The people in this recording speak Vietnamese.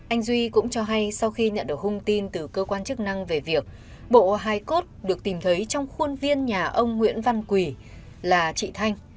anh duy cũng cho hay sau khi nhận được hung tin từ cơ quan chức năng về việc bộ hai cốt được tìm thấy trong khuôn viên nhà ông nguyễn văn quỳ là chị thanh